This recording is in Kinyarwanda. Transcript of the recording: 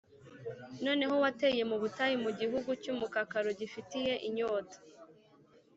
Noneho wateye mu butayu, mu gihugu cy’umukakaro gifite inyota